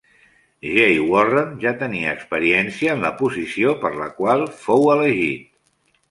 Jay Warren ja tenia experiència en la posició per la qual fou elegit.